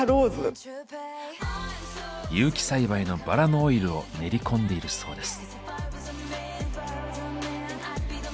有機栽培のバラのオイルを練り込んでいるそうです。